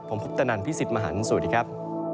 ผมพุทธนันพี่สิทธิ์มหันฯสวัสดีครับ